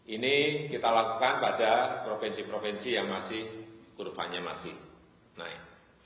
ini kita lakukan pada provinsi provinsi yang masih kurvanya masih naik